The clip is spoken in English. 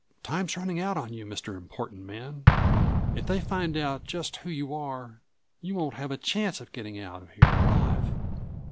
"Time's running out on you, Mr. Important Man. If they find out just who you are, you won't have a chance of getting out of here alive.